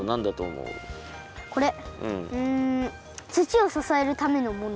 うんつちをささえるためのもの？